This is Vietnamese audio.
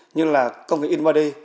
như là công nghệ in body